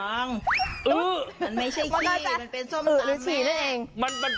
มันไม่ใช่ขี้มันเป็นส้มตำแม่